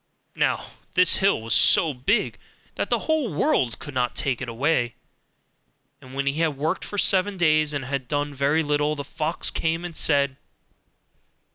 Now this hill was so big that the whole world could not take it away: and when he had worked for seven days, and had done very little, the fox came and said.